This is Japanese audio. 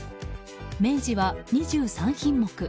明治は２３品目